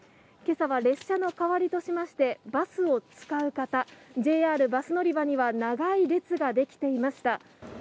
けさは列車の代わりとしまして、バスを使う方、ＪＲバス乗り場には、長い列が出来ていました。